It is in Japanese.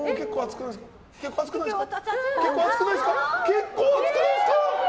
結構厚くないですか？